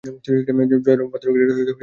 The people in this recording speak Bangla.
জয়রাম পাথুরিয়াঘাটায় বাড়ি করেন।